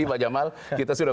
sudah tidak ada lagi komporisasi